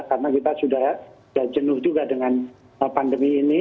karena kita sudah jenuh juga dengan pandemi ini